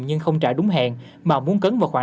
nhưng không trả đúng hẹn mà muốn cấn vào khoảng